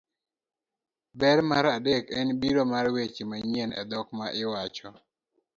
Ber mar adek en biro mar weche manyien e dhok ma iwacho,